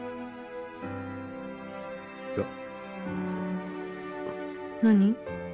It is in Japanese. いや何？